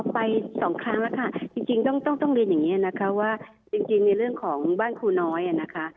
ไปสองครั้งแล้วค่ะจริงต้องเรียนอย่างนี้นะคะว่าจริงในเรื่องของบ้านครูน้อยนะคะ